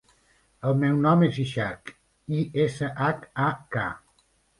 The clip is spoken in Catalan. El meu nom és Ishak: i, essa, hac, a, ca.